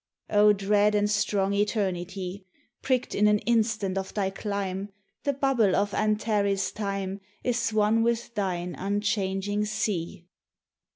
O dread and strong Eternity! Prickt in an instant of thy clime, The bubble of Antares' time Is one with thine unchanging sea.